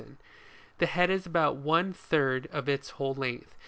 131 The head is about one third of its whole length.